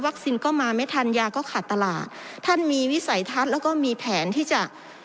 ก็มาไม่ทันยาก็ขาดตลาดท่านมีวิสัยทัศน์แล้วก็มีแผนที่จะ